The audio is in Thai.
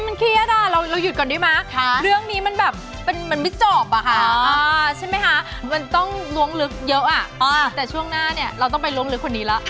มันเครียดอ่ะเราหยุดก่อนดีมั้ยเรื่องนี้มันแบบมันไม่จบอะค่ะใช่ไหมคะมันต้องล้วงลึกเยอะอ่ะแต่ช่วงหน้าเนี่ยเราต้องไปล้วงลึกคนนี้แล้ว